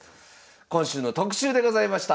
今週の特集でございました。